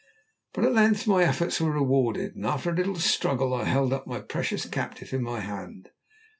But at length my efforts were rewarded, and after a little struggle I held my precious captive in my hand.